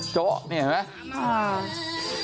โจ๊ะนี่เห็นไหม